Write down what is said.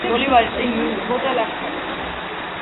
ბოლივარი წინ მიუძღოდა ლაშქარს.